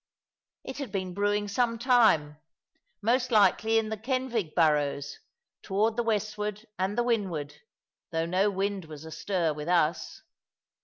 It had been brewing some time, most likely in the Kenfig burrows, toward the westward and the windward, although no wind was astir with us.